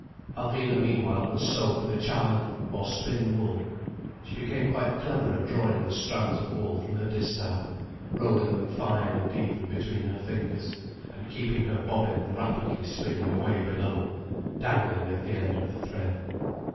Alvina meanwhile would sew for the child, or spin wool. She became quite clever at drawing the strands of wool from her distaff, rolling them fine and even between her fingers, and keeping her bobbin rapidly spinning away below, dangling at the end of the thread.